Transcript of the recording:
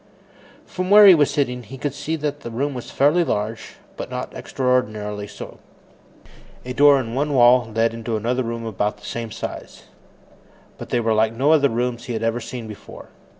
From where he was sitting, he could see that the room was fairly large, but not extraordinarily so. A door in one wall led into another room of about the same size. But they were like no other rooms he had ever seen before.